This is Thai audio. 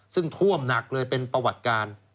ซึ่งท่วมหนักเลยเป็นประวัติการ